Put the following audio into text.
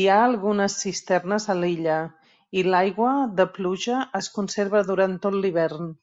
Hi ha algunes cisternes a l'illa i l'aigua de pluja es conserva durant tot l'hivern.